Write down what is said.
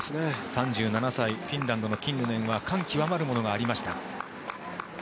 ３７歳フィンランドのキンヌネンは感極まるものがありました。